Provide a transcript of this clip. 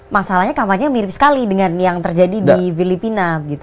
masalahnya kampanye mirip sekali dengan yang terjadi di filipina